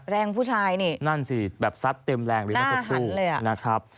แรงผู้ชายนี่นั่นสิแบบซัดเต็มแรงหน้าหันเลยอ่ะนะครับ